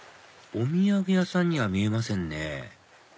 お土産屋さんには見えませんね